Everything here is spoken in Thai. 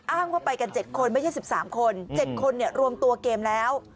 อ้างว่าไปกัน๗คนไม่ใช่๑๓คน๗คนรวมตัวเกมแล้ว